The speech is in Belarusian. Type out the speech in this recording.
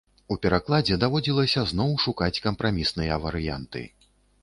У перакладзе даводзілася зноў шукаць кампрамісныя варыянты.